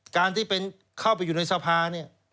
การที่เข้าไปอยู่ในทรภาพ